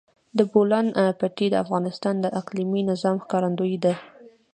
د بولان پټي د افغانستان د اقلیمي نظام ښکارندوی ده.